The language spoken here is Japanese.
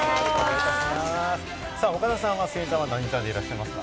岡田さんは星座は何座でいらっしゃいますか？